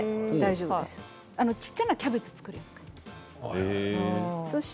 ちいちゃなキャベツを作る感じ。